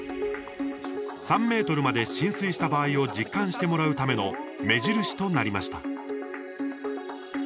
３ｍまで浸水した場合を実感してもらうための目印となりました。